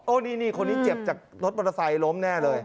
นี่คนนี้เจ็บจากรถมอเตอร์ไซค์ล้มแน่เลย